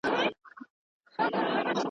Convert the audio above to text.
نه دي پوښتنه ده له چا کړې.